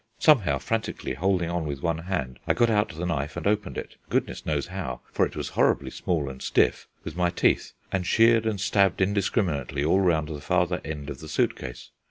Somehow frantically holding on with one hand I got out the knife, and opened it, goodness knows how, for it was horribly small and stiff, with my teeth, and sheared and stabbed indiscriminately all round the farther end of the suit case.